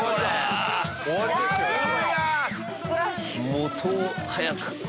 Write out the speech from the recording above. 元を早く。